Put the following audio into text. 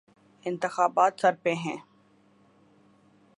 انتخابات سر پہ ہیں۔